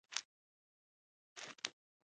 د شتمنو هېوادونو د لوړو عوایدو په څېر متفاوت دي.